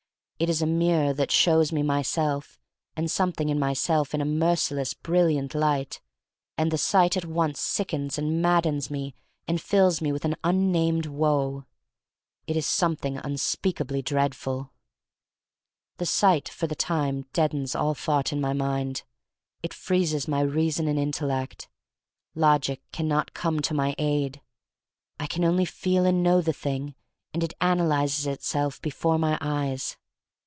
It is a mirror that shows me myself and something in my self in a merciless brilliant light, and the sight at once sickens and maddens me and fills me with an unnamed woe. It is something unspeakably dreadful. 192 THE STORY OF MARY MAC LANE The sight f9r the time deadens all thought in my mind. It freezes my reason and intellect. Logic can not come to my aid. I can only feel and know the thing and it analyzes itself before my eyes.